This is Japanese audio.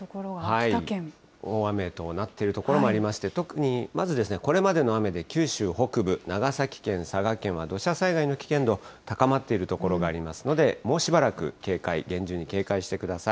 大雨となっている所もありまして、特に、まずこれまでの雨で九州北部、長崎県、佐賀県は土砂災害の危険度、高まっている所がありますので、もうしばらく警戒、厳重に警戒してください。